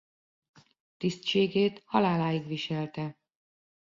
Tisztségét haláláig viselte.